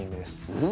うん？